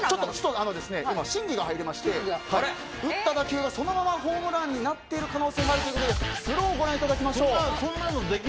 審議が入りまして打った打球がそのままホームランになっている可能性もあるということでスロー、ご覧いただきましょう。